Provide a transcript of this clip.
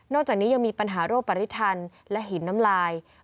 จากนี้ยังมีปัญหาโรคปริทันและหินน้ำลาย